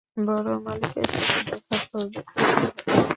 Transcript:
বড় মালিকের সাথে দেখা করবে খুশি হবে।